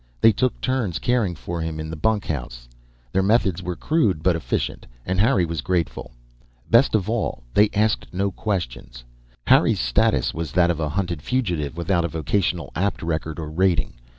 They took turns caring for him in the bunkhouse; their methods were crude but efficient and Harry was grateful. Best of all, they asked no questions. Harry's status was that of a hunted fugitive, without a Vocational Apt record or rating.